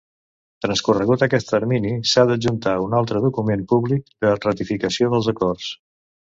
Transcorregut aquest termini s'ha d'adjuntar un altre document públic de ratificació dels acords.